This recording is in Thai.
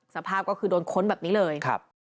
สภาพก็คือโดนค้นแบบนี้เลย